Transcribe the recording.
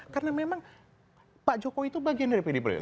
karena memang pak jokowi itu bagian dari pdip perjuangan